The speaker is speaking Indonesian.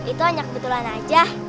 itu hanya kebetulan aja